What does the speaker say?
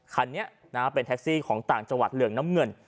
คันนี้เป็นแท็กซี่ของต่างจังหวัดเหลืองน้ำเงิน